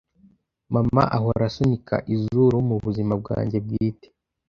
Mama ahora asunika izuru mubuzima bwanjye bwite.